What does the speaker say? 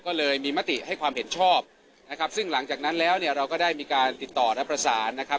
ก็เลยมีมติให้ความเห็นชอบนะครับซึ่งหลังจากนั้นแล้วเนี่ยเราก็ได้มีการติดต่อและประสานนะครับ